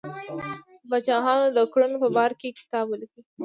د پاچاهانو د کړنو په باره کې کتاب ولیکي.